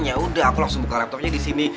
yaudah aku langsung buka laptopnya disini